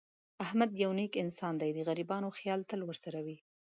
احمد یو نېک انسان دی. د غریبانو خیال تل ورسره وي.